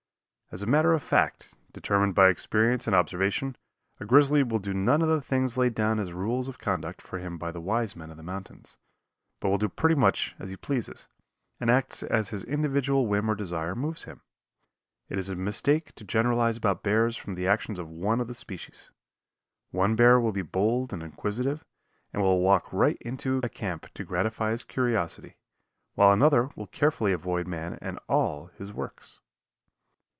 As a matter of fact, determined by experience and observation, a grizzly will do none of the things laid down as rules of conduct for him by the wise men of the mountains, but will do pretty much as he pleases, and act as his individual whim or desire moves him. It is a mistake to generalize about bears from the actions of one of the species. One bear will be bold and inquisitive, and will walk right into a camp to gratify his curiosity, while another will carefully avoid man and all his works.